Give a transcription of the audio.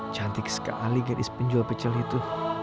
cantik sekali gadis penjual pacel itu